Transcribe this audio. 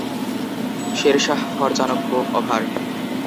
Sher Shah for Chanakya, over.